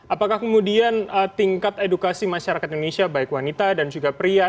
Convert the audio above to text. apakah kemudian tingkat edukasi masyarakat indonesia baik wanita dan juga pria